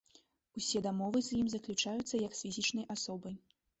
Усе дамовы з ім заключаюцца як з фізічнай асобай.